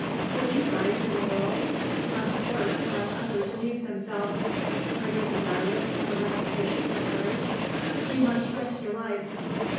"Would you rise in the world? You must work while others amuse themselves. Are you desirous of a reputation for courage? You must risk your life.